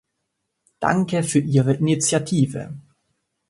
Danke für Ihre Initiative.